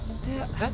えっ？